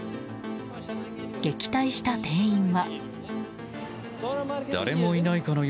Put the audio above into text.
撃退した店員は。